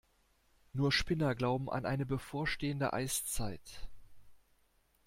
Nur Spinner glauben an eine bevorstehende Eiszeit.